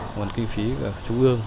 còn kinh phí của trung ương